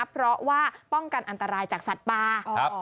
เพราะว่าป้องกันอันตรายจากสัตว์ป่า